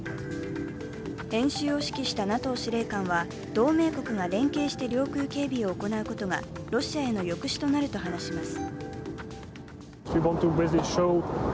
演習を指揮したＮＡＴＯ司令官は同盟国が連携して領空警備を行うことがロシアへの抑止となると話します。